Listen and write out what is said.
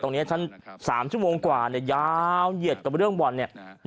ตรงนี้ฉัน๓ชั่วโมงกว่าเนี่ยยาวเหยียดกับเรื่องบ่อนเนี่ย